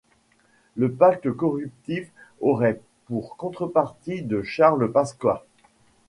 Le pacte corruptif aurait pour contrepartie de Charles Pasqua.